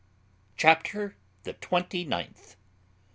CHAPTER THE TWENTY NINTH.